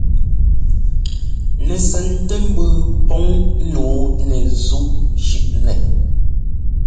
Nɛsɛntɛmbʉʉ pɔŋ nǔu nɛzúꞌ shʉ́ꞌnɛ.